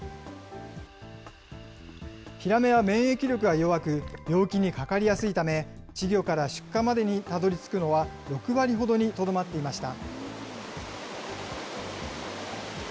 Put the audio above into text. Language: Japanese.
ヒラメは免疫力が弱く、病気にかかりやすいため、稚魚から出荷までにたどりつくのは、６割ほどにとどまっていました。